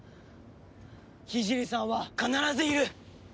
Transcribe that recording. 聖さんは必ずいる。